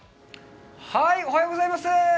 おはようございます。